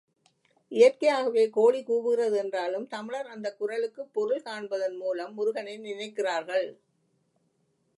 இயற்கையாகவே கோழி கூவுகிறது என்றாலும், தமிழர் அந்தக் குரலுக்குப் பொருள் காண்பதன் மூலம் முருகனை நினைக்கிறார்கள்.